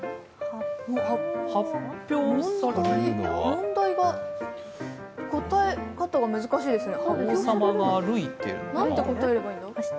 問題が、答え方が難しいですね。